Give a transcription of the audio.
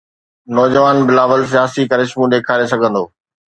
نوجوان بلاول سياسي ڪرشمو ڏيکاري سگهندو؟